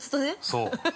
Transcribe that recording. ◆そう！